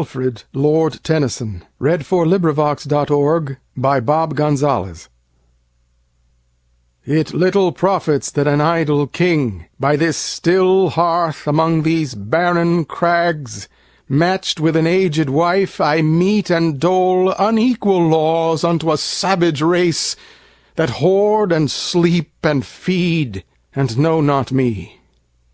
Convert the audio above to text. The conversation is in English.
1895. Alfred Tennyson, 1st Baron 1809–92 Ulysses Tennyson IT little profits that an idle king, By this still hearth, among these barren crags, Match'd with an aged wife, I mete and doleUnequal laws unto a savage race, That hoard, and sleep, and feed, and know not me.